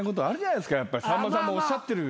さんまさんもおっしゃってる。